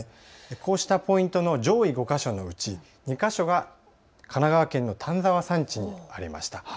こうしたポイントも上位５か所のうち２か所が神奈川県の丹沢山地にありました。